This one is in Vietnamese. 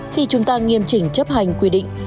khi chúng ta nghiêm chỉnh chấp hành quy định